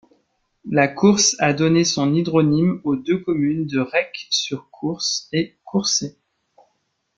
La Course a donné son hydronyme aux deux communes de Recques-sur-Course et Courset.